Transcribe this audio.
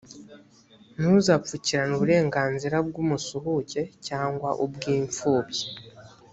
ntuzapfukirane uburenganzira bw’umusuhuke cyangwa ubw’impfubyi.